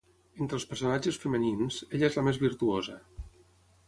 Entre els personatges femenins, ella és la més virtuosa.